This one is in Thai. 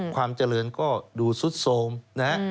ความเจริญก็ดูซุดโทรมนะฮะ